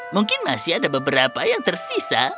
mungkin masih ada beberapa yang tersisa